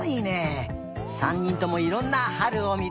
３にんともいろんなはるをみつけたんだね。